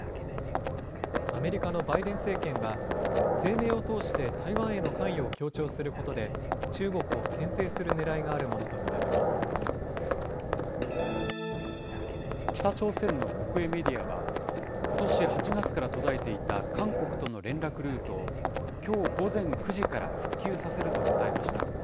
アメリカのバイデン政権は、声明を通して台湾への関与を強調することで、中国をけん制するね北朝鮮の国営メディアは、ことし８月から途絶えていた韓国との連絡ルートをきょう午前９時から復旧させると伝えました。